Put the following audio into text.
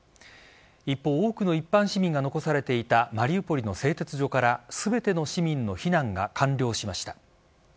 一方多くの一般市民が残されていたマリウポリの製鉄所から全ての市民の避難が完了しました。